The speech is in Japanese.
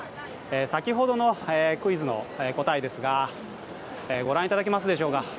先ほどのクイズの答えですが、ご覧いただけますでしょうか。